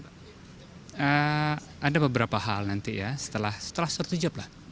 ada beberapa hal nanti ya setelah setertijab lah